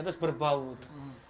terutama dulu buyut saya